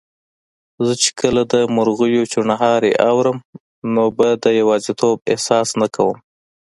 زه چي کله د مرغیو چوڼاری اورم، نو به د یوازیتوب احساس نه کوم